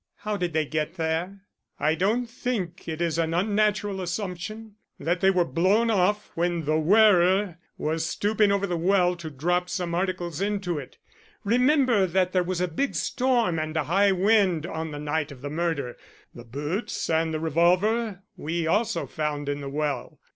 "How did they get there?" "I don't think it is an unnatural assumption that they were blown off when the wearer was stooping over the well to drop some articles into it. Remember that there was a big storm and a high wind on the night of the murder. The boots and the revolver we also found in the well.